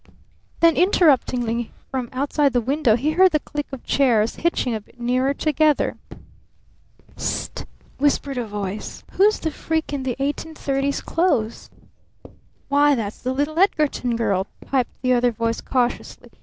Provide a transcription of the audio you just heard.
"H " Then interruptingly from outside the window he heard the click of chairs hitching a bit nearer together. "Sst!" whispered one voice. "Who's the freak in the 1830 clothes?" "Why, that? Why, that's the little Edgarton girl," piped the other voice cautiously.